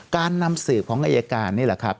การนำสืบของอายการนี่แหละครับ